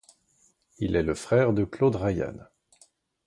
Il est le frère de Claude Ryan.